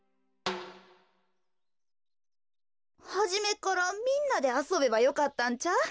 はじめっからみんなであそべばよかったんちゃう？